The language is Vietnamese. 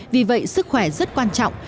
vì vậy sức khỏe rất quan trọng